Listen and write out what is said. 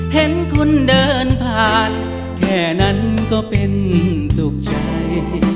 เห็นคนเดินผ่านแค่นั้นก็เป็นสุขใจ